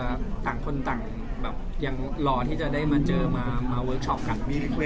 ต่างคนต่างแบบยังรอที่จะได้มาเจอมาเวิร์คชอปกัน